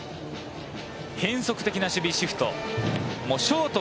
変則的な守備シフト。